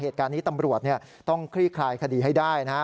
เหตุการณ์นี้ตำรวจต้องคลี่คลายคดีให้ได้นะฮะ